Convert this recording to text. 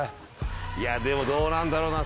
いやでもどうなんだろうな。